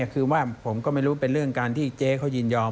คือว่าผมก็ไม่รู้เป็นเรื่องการที่เจ๊เขายินยอม